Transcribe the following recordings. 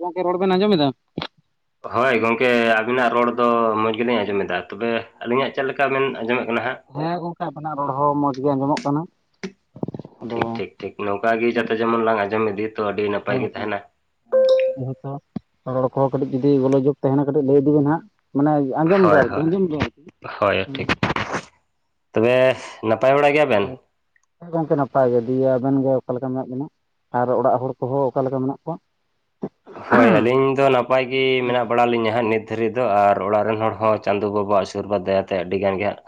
ᱜᱚᱢᱠᱮ ᱨᱚᱲ ᱵᱮᱱ ᱟᱸᱡᱚᱢᱮᱫᱟ? ᱦᱳᱭ ᱜᱚᱝᱠᱮ ᱟᱹᱵᱤᱱᱟᱜ ᱨᱚᱲ ᱫᱚ ᱢᱚᱡ ᱜᱮᱞᱤᱧ ᱟᱸᱡᱚᱢᱮᱫᱟ, ᱛᱚᱵᱮ ᱟᱹᱞᱤᱧᱟᱜ ᱪᱮᱫ ᱞᱮᱠᱟ ᱵᱮᱱ ᱟᱸᱡᱚᱢᱮᱫ ᱠᱟᱱᱟ ᱦᱟᱸᱜ᱾ ᱦᱮᱸ ᱜᱚᱝᱠᱮ ᱟᱵᱮᱱᱟᱜ ᱨᱚᱲ ᱦᱚᱸ ᱢᱚᱸᱡ ᱜᱮ ᱟᱸᱡᱚᱢᱚᱜ ᱠᱟᱱᱟ᱾ ᱟᱫᱚ ᱴᱷᱤᱠ- ᱴᱷᱤᱠ, ᱴᱷᱤᱠ ᱱᱚᱝᱠᱟ ᱜᱮ ᱦᱚᱸ ᱡᱚᱛᱚ ᱡᱮᱢᱚᱱ ᱞᱟᱝ ᱟᱸᱡᱚᱢ ᱤᱫᱤᱭᱟᱛᱚ ᱟᱹᱰᱤ ᱱᱟᱯᱟᱭ ᱜᱮ ᱛᱟᱦᱮᱱᱟ᱾ ᱡᱮᱦᱮᱛᱚ ᱨᱚᱲ ᱠᱚᱦᱚᱸ ᱠᱟᱹᱴᱤᱡ ᱡᱩᱫᱤ ᱜᱚᱞᱳᱡᱳᱜ ᱛᱟᱦᱮᱱᱟ ᱠᱟᱹᱴᱤᱡ ᱞᱟᱹᱭ ᱤᱫᱤ ᱵᱮᱱ ᱦᱟᱸᱜ᱾ ᱢᱟᱱᱮ ᱟᱸᱡᱚᱢ ᱫᱟ ᱦᱳᱭ, ᱟᱨᱠᱤ ᱦᱳᱭ-ᱦᱳᱭ ᱦᱩᱸ᱾ ᱴᱷᱤᱠ ᱛᱚᱵᱮ ᱱᱟᱯᱟᱭ ᱵᱟᱲᱟ ᱜᱮᱭᱟ ᱜᱚᱠᱮ ᱱᱟᱯᱟᱭ ᱜᱮ ᱫᱤᱭᱮ ᱟᱵᱮᱱ ᱜᱮ ᱚᱠᱟ ᱞᱮᱠᱟ ᱢᱮᱱᱟᱜ ᱵᱮᱱᱟ? ᱟᱨ ᱚᱲᱟᱜ ᱦᱚᱲ ᱠᱚᱦᱚᱸ ᱚᱠᱟ ᱞᱮᱠᱟ ᱢᱮᱱᱟᱜ ᱠᱚᱣᱟ? ᱦᱳᱭ ᱟᱹᱞᱤᱧ ᱫᱚ ᱱᱟᱯᱟᱭ ᱜᱮ ᱢᱮᱱᱟᱜ ᱵᱟᱲᱟ ᱞᱤᱧᱟ ᱦᱟᱸᱜ ᱱᱤᱛ ᱫᱷᱟᱹᱨᱤᱡ ᱫᱚ ᱟᱨᱼᱼ ᱟᱨ ᱚᱲᱟᱜ ᱨᱮᱱ ᱦᱚᱲ ᱦᱚᱸ ᱪᱟᱸᱫᱳ ᱵᱟᱵᱟᱣᱟᱜ ᱟᱹᱥᱤᱨᱵᱟᱫᱽ ᱫᱟᱭᱟᱛᱮ ᱟᱹᱰᱤ ᱜᱟᱱ ᱜᱮ ᱦᱟᱸᱜ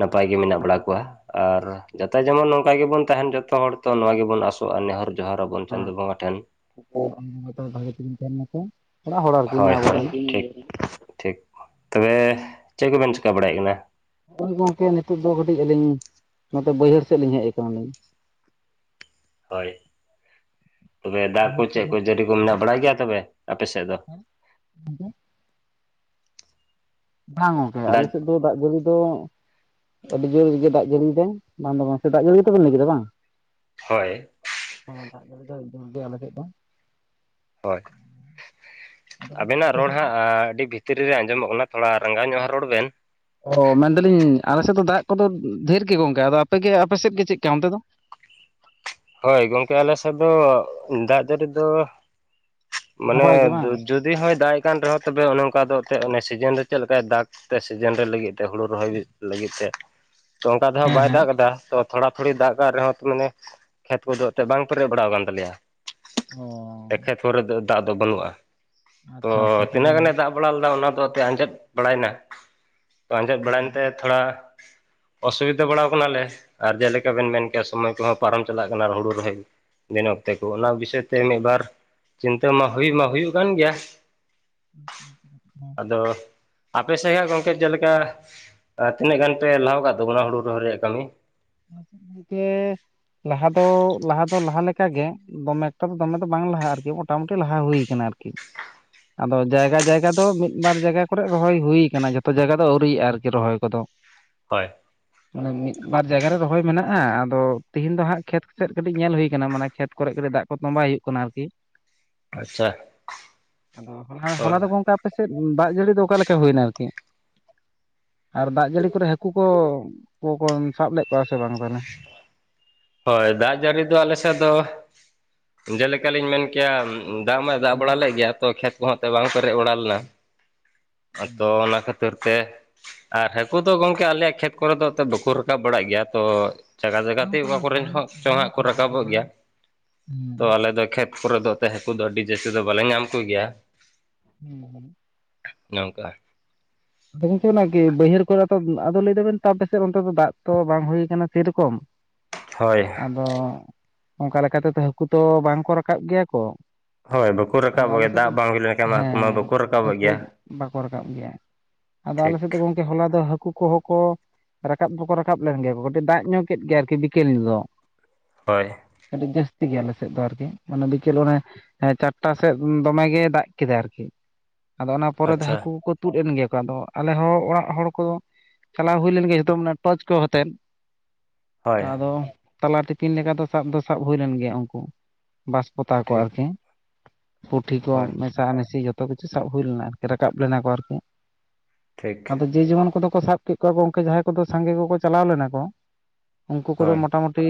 ᱱᱟᱯᱟᱭ ᱜᱮ ᱢᱮᱱᱟᱜ ᱵᱟᱲᱟ ᱠᱚᱣᱟ ᱾ ᱟᱨ ᱡᱚᱛᱚ ᱡᱮᱢᱚᱱ ᱱᱚᱝᱠᱟ ᱜᱮᱵᱚᱱ ᱛᱟᱦᱮᱱ ᱡᱚᱛᱚ ᱦᱚᱲ ᱛᱚ ᱱᱚᱣᱟ ᱜᱮᱵᱚᱱ ᱟᱥᱚᱜᱼᱟ ᱱᱮᱦᱚᱨ ᱡᱚᱦᱟᱨ ᱟᱵᱚᱱ ᱪᱟᱸᱫᱳ ᱵᱚᱸᱜᱟ ᱴᱷᱮᱱ᱾ ᱧ ᱛᱟᱦᱮᱠᱚ ᱦᱳᱭ-ᱦᱳᱭ ᱴᱷᱤᱠ-ᱴᱷᱤᱠ ᱛᱚᱵᱮ ᱪᱮᱫ ᱠᱚᱵᱮᱱ ᱪᱮᱠᱟ ᱵᱟᱲᱟᱭᱮᱫ ᱠᱟᱱᱟ? ᱦᱚᱭ ᱜᱚᱝᱠᱮ ᱱᱤᱛᱳᱜ ᱫᱚ ᱠᱟᱹᱴᱤᱡ ᱟᱹᱞᱤᱧ ᱱᱚᱛᱮ ᱵᱟᱹᱭᱦᱟᱹᱲ ᱥᱮᱫ ᱞᱤᱧ ᱦᱮᱡ ᱟᱠᱟᱱᱟᱞᱤᱧ? ᱦᱳᱭ, ᱛᱚᱵᱮ ᱫᱟᱜ ᱠᱚ ᱪᱮᱫ ᱠᱚ ᱡᱟᱹᱨᱤ ᱠᱚ ᱢᱮᱱᱟᱜ ᱵᱟᱲᱟ ᱜᱮᱭᱟ ᱛᱚᱵᱮ ᱟᱯᱮ ᱥᱮᱫ ᱫᱚ? ᱦ [inaudible] ᱵᱟᱝ ᱜᱚᱝᱠᱮ ᱫᱟᱜ ᱟᱞᱮ ᱥᱮᱫ ᱫᱚ ᱫᱟᱜ ᱡᱟᱹᱲᱤ ᱫᱚ ᱟᱹᱰᱤ ᱡᱚᱨᱜᱮ ᱫᱟᱜ ᱡᱟᱹᱲᱤ ᱮᱫᱟᱭ ᱵᱟᱝ ᱫᱚ ᱵᱟᱝ ᱫᱟᱜ ᱡᱟᱹᱲᱤ ᱜᱮᱛᱚᱵᱮᱱ ᱞᱟᱹᱭ ᱠᱮᱫᱟ ᱵᱟᱝᱼᱼ ᱦᱳᱭ᱾ ᱦᱮᱸ ᱫᱟᱜ ᱡᱟᱹᱲᱤ ᱫᱚ ᱫᱤᱱ ᱜᱮ ᱟᱞᱮ ᱥᱮᱫ ᱫᱚ᱾ ᱦᱳᱭ, ᱟᱫᱚ ᱜᱚᱝᱠᱮ ᱟᱵᱮᱱᱟᱜ ᱟᱯᱮ ᱨᱚᱲ ᱥᱮᱫ ᱫᱚ? ᱦᱟᱸᱜ ᱟᱹᱰᱤ ᱵᱷᱤᱛ- ᱛᱤᱨᱤ ᱨᱮ ᱟᱸᱡᱚᱢᱚᱜ ᱠᱟᱱᱟ ᱛᱷᱚᱲᱟ ᱨᱟᱸᱜᱟᱣ ᱧᱚᱜ ᱦᱟᱸᱜ ᱨᱚᱲ ᱵᱮᱱ? ᱚ ᱢᱮᱱ ᱮᱫᱟᱞᱤᱧ ᱟᱞᱮ ᱥᱮᱫ ᱫᱚ ᱫᱟᱜ ᱠᱚᱫᱚ ᱰᱷᱮᱨ ᱜᱮ ᱜᱚᱝᱠᱮ ᱟᱫᱚ ᱟᱯᱮᱜᱮ ᱟᱯᱮ ᱥᱮᱫ ᱜᱮ ᱪᱮᱫ ᱞᱮᱠᱟ ᱚᱱᱛᱮ ᱫᱚ᱾ ᱦᱳᱭ ᱜᱚᱢᱠᱮ ᱟᱞᱮᱥᱮᱫ ᱫᱚ ᱫᱟᱜ ᱡᱟᱹᱲᱤ ᱫᱚ ᱢᱟᱱᱮ ᱱᱟᱯᱟᱭ ᱜᱮ ᱫᱩ ᱵᱟᱝ ᱡᱩᱼᱼ ᱫᱤ ᱦᱚᱸᱭ ᱫᱟᱜ ᱮ ᱠᱟᱱ ᱨᱮᱦᱚᱸ ᱛᱚᱵᱮ ᱚᱱᱮ ᱚᱱᱠᱟ ᱫᱚ ᱮᱱᱛᱮᱫ ᱚᱱᱮ ᱥᱤᱡᱤᱱ ᱨᱮ ᱪᱮᱫ ᱞᱮᱠᱟᱭ ᱫᱟᱜᱽ ᱛᱮ ᱥᱤᱡᱤᱱ ᱨᱮ ᱞᱟᱹᱜᱤᱫᱼᱼ ᱦᱩᱲᱩ ᱨᱚᱦᱚᱭ ᱞᱟᱹᱜᱤᱫ ᱛᱮ, ᱛᱚ ᱚᱱᱠᱟ ᱫᱚᱦᱟᱸᱜ ᱦᱮᱸ ᱵᱟᱭ ᱦᱮᱸ ᱫᱟᱜ ᱟᱠᱟᱫᱟ ᱛᱚ᱾ ᱛᱷᱚᱲᱟ ᱛᱷᱩᱚᱲᱤ ᱫᱟᱜ ᱠᱟᱜ ᱨᱮᱦᱚᱸ ᱛᱚ ᱢᱟᱱᱮ ᱠᱷᱮᱛ ᱠᱚᱫᱚ ᱮᱱᱛᱮᱫ ᱵᱟᱝ ᱯᱮᱨᱮᱡ ᱵᱟᱲᱟᱣ ᱟᱠᱟᱱ ᱛᱟᱞᱮᱭᱟ᱾ ᱚ ᱾ ᱮᱠᱷᱮᱛ ᱦᱚᱨ ᱨᱮ ᱫᱚ ᱫᱟᱜ ᱫᱚ ᱵᱟᱹᱱᱩᱜᱼᱟ, ᱛᱚ ᱟᱪᱪᱷᱟ ᱟᱪᱪᱷᱟ ᱛᱤᱱᱟᱹᱜ ᱜᱟᱱᱮ ᱡᱟᱭᱦᱳᱠ ᱫᱟᱜᱼᱼ ᱵᱟᱲᱟ ᱞᱮᱫᱟ ᱚᱱᱟ ᱫᱚ ᱮᱛᱮ ᱟᱸᱡᱮᱫ ᱵᱟᱲᱟᱭᱱᱟ ᱛᱚ ᱟᱸᱡᱮᱫ ᱵᱟᱲᱟᱭᱮᱱᱛᱮ᱾ ᱛᱷᱚᱲᱟ ᱚᱥᱩᱵᱤᱫᱷᱟ ᱵᱟᱲᱟ ᱣᱟᱠᱟᱱᱟᱞᱮ ᱟᱨ ᱡᱮᱞᱮᱠᱟ ᱵᱮᱱ ᱢᱮᱱ ᱠᱮᱭᱟ ᱥᱚᱢᱚᱭ ᱠᱚᱦᱚᱸ ᱯᱟᱨᱚᱢᱼᱼ ᱪᱟᱞᱟᱜ ᱠᱟᱱᱟ ᱟᱨ ᱦᱩᱲᱩ ᱨᱚᱦᱚᱭ ᱫᱤᱱ ᱚᱠᱛᱮ ᱠᱚ ᱚᱱᱟ ᱵᱤᱥᱚᱭ ᱛᱮ ᱢᱤᱫᱼ ᱵᱟᱨᱼᱼ ᱪᱤᱱᱛᱟᱹ ᱢᱟ ᱦᱩᱭ ᱢᱟ ᱦᱩᱭᱩᱜ ᱠᱟᱱ ᱜᱮᱭᱟ ᱟᱫᱚ, ᱟᱯᱮ ᱥᱮᱼᱟᱜ ᱜᱚᱝᱠᱮ ᱡᱮᱞᱮᱠᱟ ᱛᱤᱱᱟᱹᱜ ᱜᱟᱱ ᱯᱮ ᱞᱟᱦᱟ ᱣᱟᱠᱟᱫ ᱛᱟᱵᱚᱱᱟ ᱦᱩᱲᱩ ᱨᱚᱦᱚᱭ ᱨᱮᱭᱟᱜ ᱠᱟᱹᱢᱤ? ᱜᱚᱝᱠᱮ ᱞᱟᱦᱟ ᱫᱚ ᱞᱟᱦᱟ ᱫᱚ ᱞᱟᱦᱟ ᱞᱮᱠᱟᱜᱮᱼᱼ ᱫᱚᱢᱮ ᱮᱠᱴᱟ ᱫᱚ ᱫᱚᱢᱮ ᱫᱚ ᱵᱟᱝ ᱞᱟᱦᱟ ᱟᱨᱠᱤ ᱢᱚᱴᱟᱢᱩᱴᱤ ᱞᱟᱦᱟ ᱦᱩᱭ ᱟᱠᱟᱱᱟ ᱟᱨᱠᱤ ᱟᱫᱚ ᱡᱟᱭᱜᱟ-ᱡᱟᱭᱜᱟ ᱫᱚ ᱢᱤᱫ ᱵᱟᱨ ᱡᱟᱭᱜᱟ ᱠᱚᱨᱮ ᱨᱚᱦᱚᱭ ᱦᱩᱭᱩ ᱠᱟᱱᱟ ᱡᱚᱛᱚ ᱡᱟᱭᱜᱟ ᱫᱚ ᱟᱹᱣᱨᱤᱭᱟᱜᱼᱟ ᱟᱨᱠᱤ ᱨᱚᱦᱚᱭ ᱠᱚᱫᱚ᱾ ᱦᱳᱭ᱾ ᱢᱟᱱᱮ ᱢᱤᱫ ᱵᱟᱨᱼᱼ ᱡᱟᱭᱜᱟ ᱨᱮ ᱨᱚᱦᱚᱭ ᱢᱮᱱᱟᱜᱼᱟ ᱟᱫᱚ ᱛᱤᱦᱤᱧ ᱫᱚ ᱦᱟᱸᱜ ᱠᱷᱮᱛ ᱥᱮᱫ ᱠᱟᱹᱴᱤᱡ ᱧᱮᱞ ᱦᱩᱭ ᱟᱠᱟᱱᱟ ᱢᱟᱱᱮ ᱠᱷᱮᱛ ᱠᱚᱨᱮᱜ ᱠᱟᱹᱴᱤᱡ ᱫᱟᱜ ᱠᱚ ᱛᱚᱸᱵᱟᱭ ᱦᱩᱭᱩᱜ ᱠᱟᱱᱟ᱾ ᱠᱟᱱᱟ ᱟᱨᱠᱤᱼᱼ [inaudible] ᱟᱫᱚ ᱦᱚᱞᱟ, ᱦᱳᱭ ᱦᱚᱞᱟ ᱫᱚ ᱜᱚᱝᱠᱮ ᱟᱯᱮ ᱥᱮᱫ ᱫᱟᱜ ᱡᱟᱹᱲᱤ ᱫᱚ ᱚᱠᱟᱞᱮᱠᱟ ᱦᱩᱭᱮᱱᱟ ᱟᱨᱠᱤᱼᱼ ᱟᱨ ᱫᱟᱜ ᱡᱟᱹᱲᱤ ᱠᱚᱨᱮ ᱦᱟᱹᱠᱩ ᱠᱚ ᱠᱚᱠᱚ ᱥᱟᱵ ᱞᱮᱫ ᱠᱚᱣᱟ ᱥᱮ ᱵᱟᱝ ᱛᱟᱞᱦᱮ ᱦᱳᱭ ᱫᱟᱜ ᱡᱟᱹᱲᱤ ᱫᱚ ᱟᱞᱮ ᱥᱮᱫ ᱫᱚ ᱡᱮᱞᱮᱠᱟᱞᱤᱧ ᱢᱮᱱ ᱠᱮᱭᱟ ᱫᱟᱜ ᱢᱟᱭ ᱫᱟᱜ ᱵᱟᱲᱟ ᱞᱮᱫ ᱜᱮᱭᱟ ᱛᱚ ᱠᱷᱮᱛ ᱠᱚᱦᱟᱸᱜ ᱛᱮ ᱵᱟᱝ ᱯᱮᱨᱮᱡ ᱵᱟᱲᱟ ᱞᱮᱱᱟ ᱛᱚ ᱚᱱᱟ ᱠᱷᱟᱹᱛ ᱛᱳᱨᱛᱮ ᱟᱨ ᱦᱟᱹᱠᱩ ᱫᱚ ᱜᱚᱝᱠᱮ ᱟᱞᱮᱭᱟᱜ ᱠᱷᱮᱛ ᱠᱚᱨᱮ ᱫᱚ ᱵᱟᱠᱩ ᱨᱟᱠᱟᱵ ᱵᱟᱲᱟᱜ ᱜᱮᱭᱟ ᱛᱚ ᱡᱟᱜᱟ ᱵᱟᱝ ᱛᱮ ᱜᱚᱝᱠᱮ ᱚᱠᱟ ᱚᱱᱟ ᱠᱚᱨᱮᱱ ᱵᱟᱸᱫ ᱦᱚᱸ ᱪᱚᱝ ᱵᱟᱸᱫ ᱦᱟᱜ ᱠᱚ ᱠᱚᱨᱮ ᱟᱨᱠᱤ ᱨᱟᱠᱟᱵᱚᱜ ᱵᱟᱸᱫ ᱜᱮᱭᱟ ᱛᱚ ᱦᱩᱸ ᱟᱞᱮ ᱫᱚ ᱠᱷᱮᱛ ᱠᱚᱨᱮ ᱫᱚ ᱛᱮ ᱦᱟᱹᱠᱩ ᱫᱚ ᱟᱹᱰᱤ ᱡᱟᱹᱥᱛᱤ ᱫᱚ ᱵᱟᱞᱮ ᱧᱟᱢ ᱠᱚᱜᱮᱭᱟ ᱦᱩᱸ [unintelligible] ᱱᱚᱝᱞᱟ ᱫᱚᱜᱚᱞ ᱛᱚ ᱚᱱᱟ ᱠᱤ ᱵᱟᱹᱭᱦᱟᱹᱲ ᱠᱚᱨᱮ ᱫᱚ ᱟᱫᱚ ᱞᱟᱹᱭ ᱫᱟᱵᱮᱱ ᱛᱟᱯᱮᱥᱮ ᱚᱱᱛᱮ ᱫᱚ ᱫᱟᱜ ᱛᱚ ᱵᱟᱝ ᱦᱩᱭᱩ ᱠᱟᱱᱟ ᱥᱮᱨᱚᱠᱚᱢ ᱦᱳᱭ ᱟᱫᱚ ᱚᱝᱠᱟ ᱞᱮᱠᱟ ᱛᱮᱫᱚ ᱦᱟᱹᱠᱩ ᱛᱚ ᱵᱟᱝᱠᱚ ᱨᱟᱠᱟᱵ ᱜᱮᱭᱟ ᱠᱚ ᱦᱳᱭ ᱵᱟᱠᱚ ᱟᱫᱚ ᱨᱟᱠᱟᱵᱚᱜ ᱟᱞᱮ ᱜᱮᱭᱟ ᱥᱮᱫ ᱫᱚ ᱫᱟᱜ ᱵᱟᱝ ᱦᱩᱭ ᱞᱮᱱᱠᱷᱟᱱ ᱢᱟ ᱦᱟᱹᱠᱩ ᱢᱟ ᱦᱮᱸ ᱵᱟᱠᱚ ᱨᱟᱠᱟᱵᱚᱜ ᱦᱟᱹᱠᱩ ᱜᱮᱭᱟ ᱵᱟᱠᱚ ᱨᱟᱠᱟᱵ ᱜᱮᱭᱟ ᱟᱫᱚ ᱟᱞᱮ ᱥᱮᱫ ᱫᱚ ᱴᱷᱤᱠ ᱜᱚᱝᱠᱮ ᱦᱚᱞᱟ ᱫᱚ ᱦᱟᱹᱠᱩ ᱠᱚᱦᱚᱸ ᱠᱚ ᱨᱟᱠᱟᱵ ᱫᱚᱠᱚ ᱨᱟᱠᱟᱵ ᱞᱮᱱ ᱜᱮᱭᱟ ᱠᱟᱹᱴᱤᱡ ᱫᱟᱜ ᱧᱚᱜ ᱠᱮᱫ ᱜᱮᱭᱟ ᱟᱨᱠᱤ ᱵᱤᱠᱮᱞ ᱫᱚ ᱦᱳᱭ ᱠᱟᱹᱴᱤᱡ ᱡᱟᱹᱥᱛᱤ ᱜᱮᱭᱟ ᱟᱞᱮ ᱥᱮᱫ ᱫᱚ ᱟᱨᱠᱤ ᱚᱱᱮ ᱵᱤᱠᱮᱞ ᱚᱱᱮ ᱦᱮᱸ ᱪᱟᱨᱴᱟ ᱥᱮᱫ ᱫᱚᱢᱮ ᱜᱮ ᱫᱟᱜ ᱠᱮᱫᱟ ᱟᱨᱠᱤ ᱟᱫᱚ ᱚᱱᱟ ᱯᱚᱨᱮ ᱫᱚ ᱟᱪᱪᱷᱟ ᱦᱟᱹᱠᱩ ᱠᱚᱠᱚ ᱛᱩᱫ ᱮᱱ ᱜᱮᱭᱟ ᱠᱚ ᱟᱫᱚ ᱟᱞᱮᱦᱚᱸ ᱚᱲᱟᱜ ᱦᱚᱲ ᱠᱚᱫᱚ ᱪᱟᱞᱟᱣ ᱦᱩᱭ ᱞᱮᱱ ᱜᱮᱭᱟ ᱡᱚᱛᱚ ᱢᱟᱱᱮ ᱴᱚᱪ ᱠᱚ ᱦᱟᱛᱮᱫ ᱛᱚ ᱦᱳᱭ ᱟᱫᱚ ᱛᱟᱞᱟ ᱴᱤᱯᱤᱱ ᱞᱮᱠᱟ ᱫᱚ ᱥᱟᱵ ᱫᱚ ᱥᱟᱵ ᱦᱩᱭ ᱞᱮᱱ ᱜᱮᱭᱟ ᱩᱱᱠᱩ ᱵᱟᱥᱯᱚᱛᱟᱣ ᱠᱚ ᱴᱷᱤᱠ ᱟᱨᱠᱤ ᱯᱩᱴᱷᱤ ᱠᱚ ᱦᱳᱭ ᱢᱮᱥᱟ ᱢᱮᱤᱥᱤ ᱡᱚᱛᱚ ᱠᱤᱪᱷᱩ ᱥᱟᱵ ᱦᱩᱭ ᱞᱮᱱᱟ ᱟᱨᱠᱤ ᱨᱟᱠᱟᱵ ᱞᱮᱱᱟ ᱠᱚ ᱟᱨᱠᱤ ᱴᱷᱤᱠ ᱟᱫᱚ ᱡᱮ ᱡᱮᱢᱚᱱ ᱠᱚᱫᱚ ᱠᱚ ᱥᱟᱵ ᱠᱮᱫ ᱠᱚᱣᱟ ᱠᱚ ᱜᱚᱢᱠᱮ ᱡᱟᱦᱟᱸᱭ ᱠᱚᱫᱚ ᱥᱟᱸᱜᱮ ᱠᱚᱠᱚ ᱪᱟᱞᱟᱣ ᱞᱮᱱᱟ ᱠᱚ ᱩᱱᱠᱩ ᱠᱚᱫᱚ ᱦᱳᱭ ᱢᱚᱴᱟᱢᱩᱴᱤ ᱴᱤ